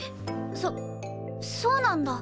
そそうなんだ。